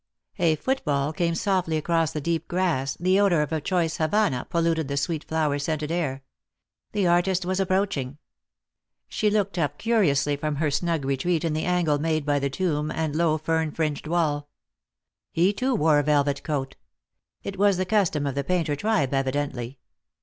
A footfall came softly across the deep grass, the odour af a choice havannah polluted the sweet flower scented air. The artist was approaching. Lost for Love. 321 She looked up curiously from her snug retreat in the angle made by the tomb and low fern fringed wall. He too wore a velvet coat. It was the custom of the painter tribe evidently.